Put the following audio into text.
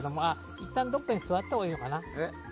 いったんどこかに座ったほうがいいかな。